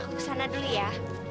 aku kesana dulu ya